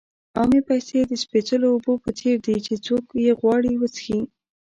عامې پیسې د سپېڅلو اوبو په څېر دي چې څوک یې غواړي وڅښي.